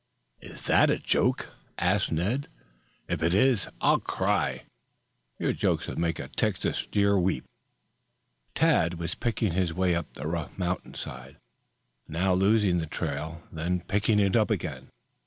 "Is that a joke?" asked Ned. "If it is, I'll cry. Your jokes would make a Texas steer weep." Tad was picking his way up the rough mountain side, now losing the trail, then picking it up again.